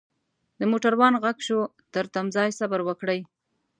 دموټروان ږغ شو ترتمځای صبروکړئ.